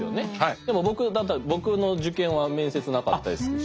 でも僕だったら僕の受験は面接なかったですし。